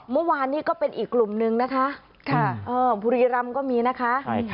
เมื่อวานนี้ก็เป็นอีกกลุ่มนึงนะคะบุรีรำก็มีนะคะ